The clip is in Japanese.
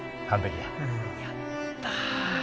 やった！